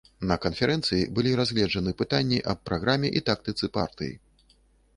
На канферэнцыі былі разгледжаны пытанні аб праграме і тактыцы партыі.